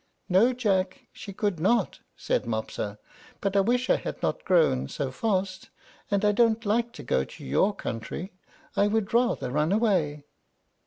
"No, Jack, she could not," said Mopsa; "but I wish I had not grown so fast, and I don't like to go to your country. I would rather run away."